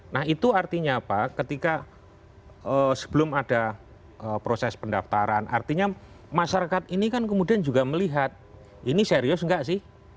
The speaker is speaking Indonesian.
nah itu artinya apa ketika sebelum ada proses pendaftaran artinya masyarakat ini kan kemudian juga melihat ini serius nggak sih